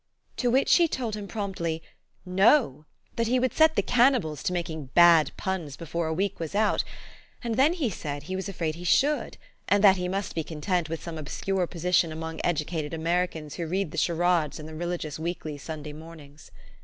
To which she told him promptly, No ; that he would set the cannibals to making bad puns before a week was out ; and then he said he was afraid he should, and that he must be content with some obscure position among edu cated Americans who read the charades in the reli gious weeklies Sunday mornings.